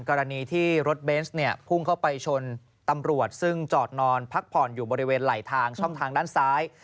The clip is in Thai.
กรณีที่รถเบนส์เนี่ยพุ่งเข้าไปชนตำรวจซึ่งจอดนอนพักผ่อนอยู่บริเวณไหลทางช่องทางด้านซ้าย